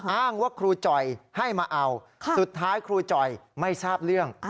อ้างว่าครูจ่อยให้มาเอาสุดท้ายครูจ่อยไม่ทราบเรื่อง